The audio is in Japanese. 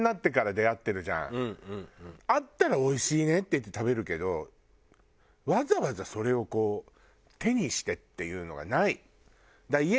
あったらおいしいねって言って食べるけどわざわざそれをこう手にしてっていうのがない。